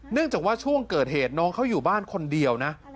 จากว่าช่วงเกิดเหตุน้องเขาอยู่บ้านคนเดียวนะ